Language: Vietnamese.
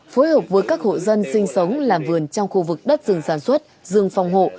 phối hợp với các hộ dân sinh sống làm vườn trong khu vực đất rừng sản xuất rừng phòng hộ